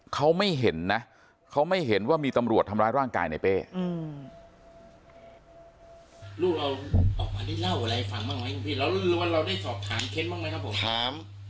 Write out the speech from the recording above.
ได้สอบถามเค้นมั้งไหมครับผมก็เวย์มีการทรอบเขาบอกเขา